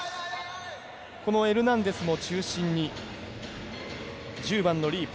このエルナンデスを中心に１０番のリープ。